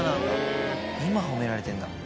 今褒められてんだ。